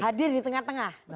hadir di tengah tengah